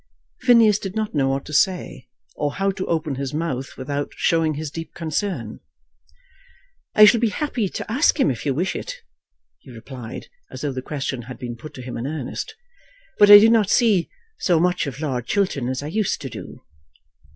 Phineas did not know what to say, or how to open his mouth without showing his deep concern. "I shall be happy to ask him if you wish it," he replied, as though the question had been put to him in earnest; "but I do not see so much of Lord Chiltern as I used to do."